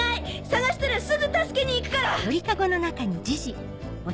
捜したらすぐ助けに行くから！